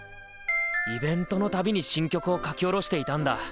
イベントのたびに新曲を書き下ろしていたんだ。